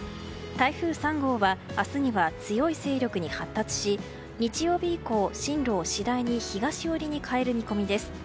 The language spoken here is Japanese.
台風３号は明日には強い勢力に発達し日曜日以降、進路を次第に東寄りに変える見込みです。